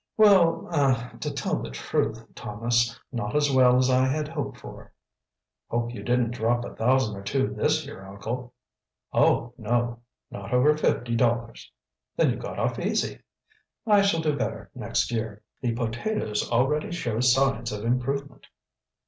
"Well ah to tell the truth, Thomas, not as well as I had hoped for." "Hope you didn't drop a thousand or two this year, uncle?" "Oh, no not over fifty dollars." "Then you got off easy." "I shall do better next year. The potatoes already show signs of improvement."